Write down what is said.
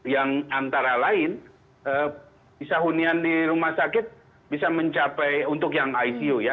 yang antara lain bisa hunian di rumah sakit bisa mencapai untuk yang icu ya